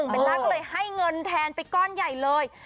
เวลาก็เลยให้เงินแทนไปก้อนใหญ่เลย